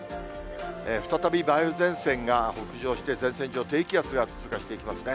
再び梅雨前線が北上して、前線上を低気圧が通過していきますね。